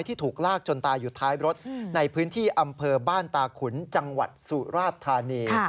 ถูกลากจนตายอยู่ท้ายรถในพื้นที่อำเภอบ้านตาขุนจังหวัดสุราชธานี